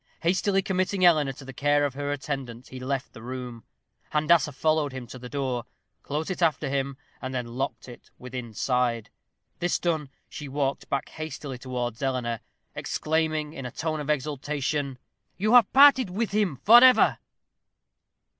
Hastily committing Eleanor to the care of her attendant, he left the room. Handassah followed him to the door, closed it after him, and then locked it within side. This done, she walked back hastily towards Eleanor, exclaiming, in a tone of exultation, "You have parted with him forever."